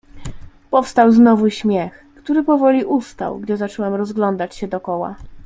"Powstał znowu śmiech, który powoli ustał, gdy zacząłem rozglądać się dokoła."